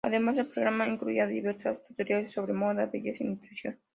Además, el programa incluía diversos tutoriales sobre moda, belleza y nutrición.